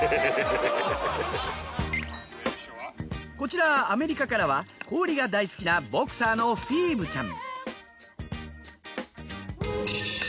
こちらアメリカからは氷が大好きなボクサーのフィーブちゃん。